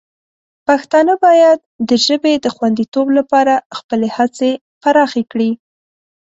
پښتانه باید د ژبې د خوندیتوب لپاره خپلې هڅې پراخې کړي.